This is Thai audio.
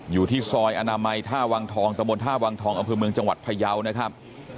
อยู่ที่ซอยอนามัยท่าวังทองตะบนท่าวังทองอำเภอเมืองจังหวัดพยาวนะครับ